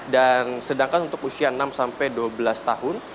dan sedangkan untuk usia enam sampai dua belas tahun